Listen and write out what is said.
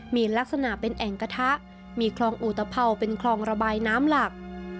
มีลักษณะเป็นแอ่งกระทะมีคลองอุตภาวเป็นคลองระบายน้ำหลัก